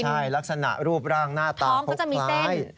ใช่ลักษณะรูปร่างหน้าตาเขาคล้าย